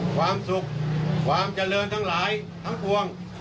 ความสุขความเจริญทั้งหลายทั้งปวง